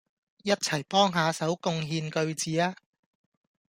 一齊幫下手貢獻句子吖